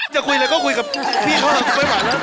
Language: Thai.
จะคุยเลยก็คุยกับพี่พ่อ